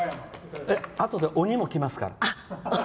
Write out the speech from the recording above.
あとで、鬼も来ますから。